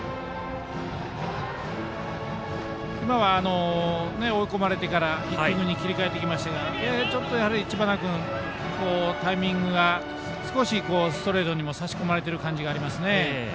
今は追い込まれてからヒッティングに切り替えていきましたがややちょっと知花君タイミングが少しストレートに差し込まれている感じがありますよね。